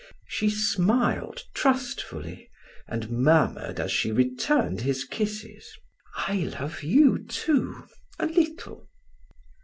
She smiled trustfully and murmured as she returned his kisses: "I love you too a little."